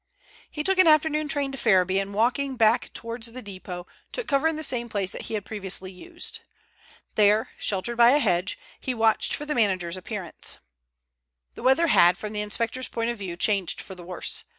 He took an afternoon train to Ferriby, and walking back towards the depot, took cover in the same place that he had previously used. There, sheltered by a hedge, he watched for the manager's appearance. The weather had, from the inspector's point of view, changed for the worse.